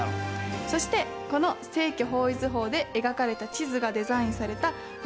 そしてこの正距方位図法で描かれた地図がデザインされた有名な旗。